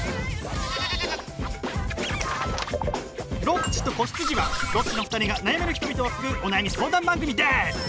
「ロッチと子羊」はロッチの２人が悩める人々を救うお悩み相談番組です！